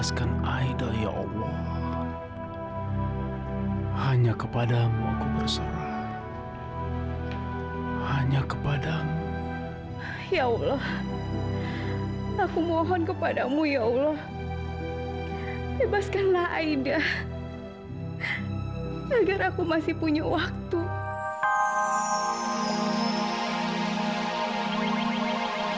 sampai jumpa di video selanjutnya